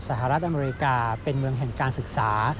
สหรัฐอเมริกาเป็นเมืองแห่งการศึกษา